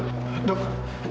kayaknya dia udah baben sekarang